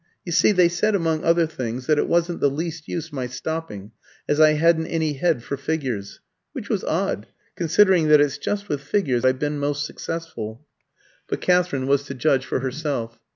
You see they said among other things that it wasn't the least use my stopping, as I hadn't any head for figures, which was odd, considering that it's just with figures I've been most successful." But Katherine was to judge for herself.